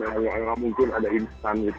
hanya mungkin ada instan gitu